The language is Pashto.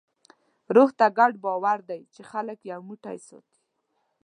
روح هغه ګډ باور دی، چې خلک یو موټی ساتي.